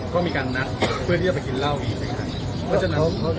ก็มีการนัดเพื่อที่จะไปกินเหล้าอีกนะครับ